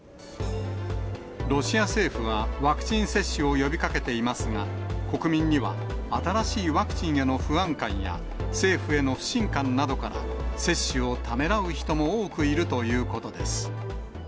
ロシア政府は、ワクチン接種を呼びかけていますが、国民には新しいワクチンへの不安感や、政府への不信感などから接種をためらう人も多くいるということです。